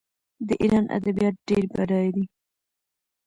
د ایران ادبیات ډیر بډایه دي.